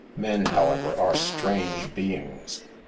Men, however, are strange beings.